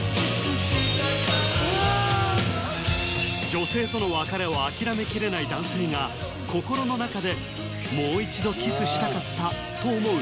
女性との別れを諦めきれない男性が心の中で「もう一度キスしたかった」と思う